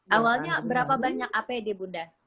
awalnya berapa banyak apd bunda